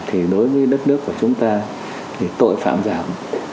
thì đối với đất nước của chúng ta thì tội phạm giảm